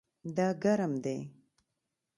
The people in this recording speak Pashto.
دا ګرم دی